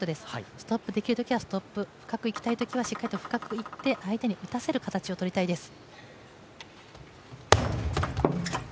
ストップできるときはストップ深くいきたいときは深くいって相手に打たせる形をとりたいです。